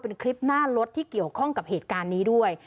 เป็นคลิปหน้ารถที่เกี่ยวข้องกับเหตุการณ์นี้ด้วย